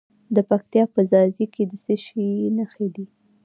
د پکتیا په ځاځي کې د څه شي نښې دي؟